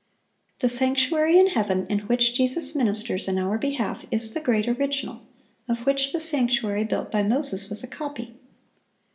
(672) The sanctuary in heaven, in which Jesus ministers in our behalf, is the great original, of which the sanctuary built by Moses was a copy.